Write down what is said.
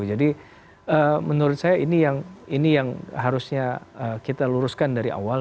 jadi menurut saya ini yang harusnya kita luruskan dari awal